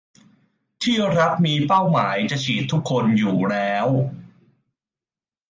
ที่รัฐมีเป้าหมายจะฉีดทุกคนอยู่แล้ว